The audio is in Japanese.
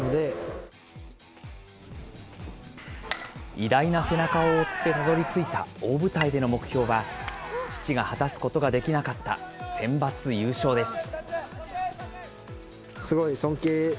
偉大な背中を追ってたどりついた大舞台での目標は、父が果たすことができなかったセンバツ優勝です。